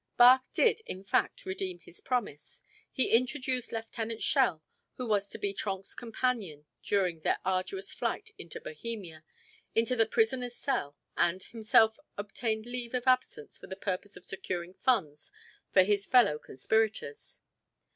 Bach did, in fact, redeem his promise. He introduced Lieutenant Schell, who was to be Trenck's companion during their arduous flight into Bohemia, into the prisoner's cell, and himself obtained leave of absence for the purpose of securing funds for his fellow conspirators.